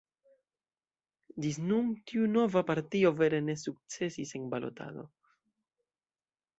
Ĝis nun tiu nova partio vere ne sukcesis en balotado.